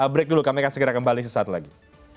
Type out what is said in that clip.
break dulu kami akan segera kembali sesaat lagi